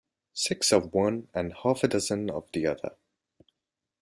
Six of one, and half-a-dozen of the other.